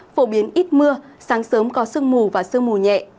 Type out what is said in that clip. phổ biến ít mưa sáng sớm có sương mù và sương mù nhẹ